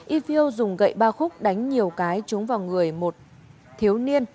ifeo dùng gậy ba khúc đánh nhiều cái trúng vào người một thiếu niên